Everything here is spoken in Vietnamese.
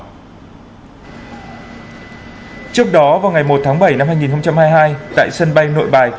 trước đó vào ngày một tháng bảy năm hai nghìn hai mươi hai tại sân bay nội bài